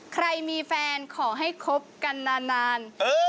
ใครมีแฟนขอให้คบกันนาน